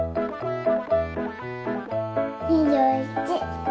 ２１。